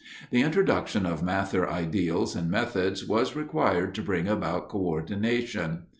The introduction of Mather ideals and methods was required to bring about coördination.